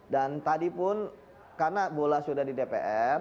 dan tadi pun karena bola sudah di dpr